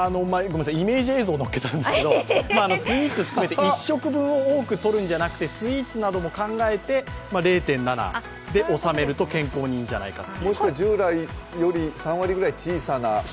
イメージ映像をのっけたんですけれども、スイーツ含めて１食分を多くとるんじゃなくてスイーツも考えて０．７で収めると健康にいいんじゃないかと。